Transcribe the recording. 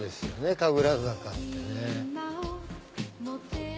神楽坂ってね。